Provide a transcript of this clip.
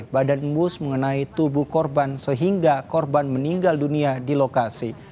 badan embus mengenai tubuh korban sehingga korban meninggal dunia di lokasi